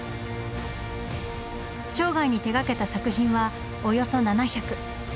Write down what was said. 生涯に手がけた作品はおよそ７００。